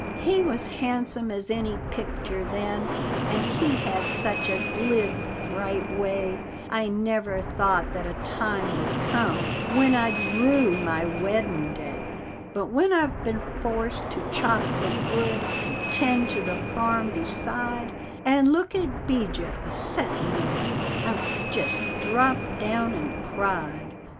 He was handsome as any pictur' then, and he had such a glib, bright way I never thought that a time would come when I'd rue my weddin' day; But when I've been forced to chop the wood, and tend to the farm beside, And look at 'Bijah a settin' there, I've jest dropped down and cried.